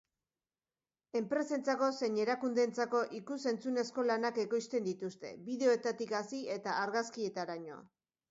Enpresentzako zein erakundeentzako ikus-entzunezko lanak ekoizten dituzte, bideoetatik hasi eta argazkietaraino.